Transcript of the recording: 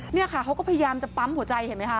นี่ค่ะเขาก็พยายามจะปั๊มหัวใจเห็นไหมคะ